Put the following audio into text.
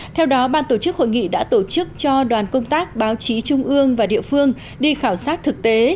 theo đó ban tổ chức hội nghị đã tổ chức cho đoàn công tác báo chí trung ương và địa phương đi khảo sát thực tế